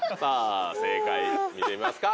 正解見てみますか。